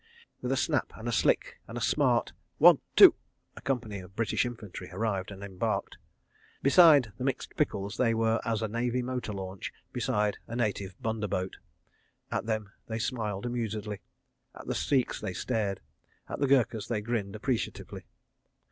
With a snap and a slick, and a smart "One two," a company of British Infantry arrived and embarked. Beside the Mixed Pickles they were as a Navy motor launch beside a native bunderboat. At them they smiled amusedly, at the Sikhs they stared, and at the Gurkhas they grinned appreciatively.